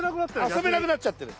遊べなくなっちゃってる。